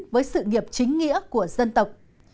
với sự nghiệp chính nghĩa của dân tộc